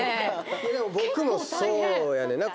いやでも僕もそうやねん。